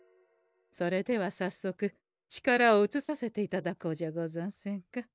それではさっそく力をうつさせていただこうじゃござんせんか。